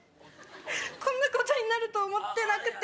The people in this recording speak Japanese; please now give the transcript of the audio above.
こんなことになると思ってなくて。